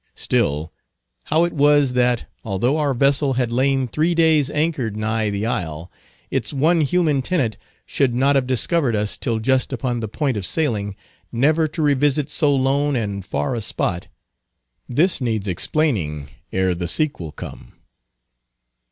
Still, how it was that, although our vessel had lain three days anchored nigh the isle, its one human tenant should not have discovered us till just upon the point of sailing, never to revisit so lone and far a spot, this needs explaining ere the sequel come.